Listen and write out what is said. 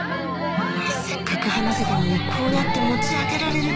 せっかく話せたのにこうやって持ち上げられると